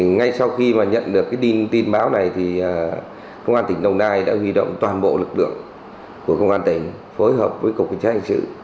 ngay sau khi nhận được tin báo này công an tỉnh long an đã huy động toàn bộ lực lượng của công an tỉnh phối hợp với cục vật chất hình sự